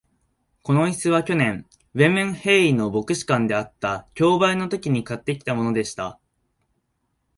この椅子は、去年、ヴェンメンヘーイの牧師館であった競売のときに買ってきたものでした。